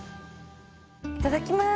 いただきます。